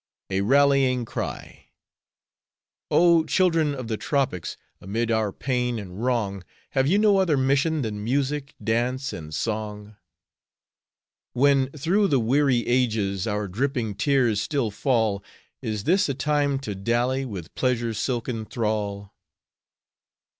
A RALLYING CRY. Oh, children of the tropics, Amid our pain and wrong Have you no other mission Than music, dance, and song? When through the weary ages Our dripping tears still fall, Is this a time to dally With pleasure's silken thrall?